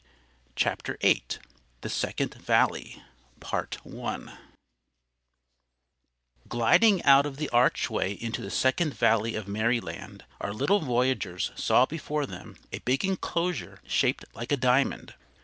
CHAPTER 8 THE SECOND VALLEY Gliding out of the archway into the Second Valley of Merryland, our little voyagers saw before them a big enclosure shaped like a diamond.